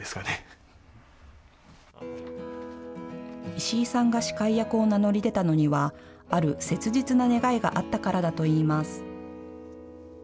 石井さんが司会役を名乗り出たのにはある切実な願いがあったからだといいます。